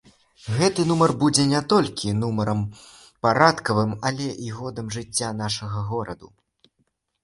Гэты нумар будзе не толькі нумарам парадкавым, але і годам з жыцця нашага гораду.